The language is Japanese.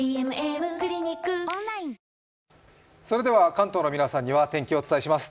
関東の皆さんには天気をお伝えします。